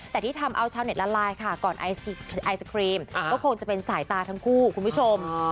แต่ที่ทำเอาชาวเน็ตละลายค่ะก่อนไอศครีมก็คงจะเป็นสายตาทั้งคู่คุณผู้ชม